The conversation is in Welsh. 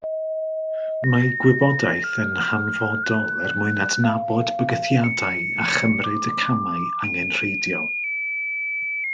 Mae gwybodaeth yn hanfodol er mwyn adnabod bygythiadau a chymryd y camau angenrheidiol